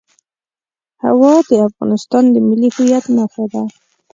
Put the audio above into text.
هوا د افغانستان د ملي هویت نښه ده.